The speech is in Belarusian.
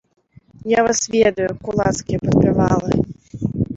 Я вас ведаю, кулацкія падпявалы!